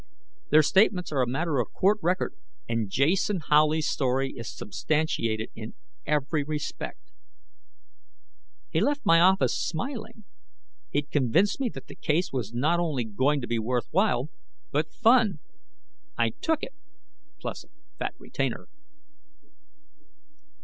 Their statements are a matter of court record, and Jason Howley's story is substantiated in every respect. He left my office smiling. He'd convinced me that the case was not only going to be worthwhile, but fun. I took it, plus a fat retainer.